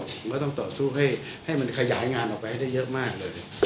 ผมก็ต้องต่อสู้ให้มันขยายงานออกไปได้เยอะมากเลย